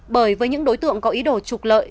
bởi với những đối tượng có ý đồ trục lợi